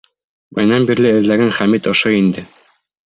Баянан бирле эҙләгән Хәмит ошо инде.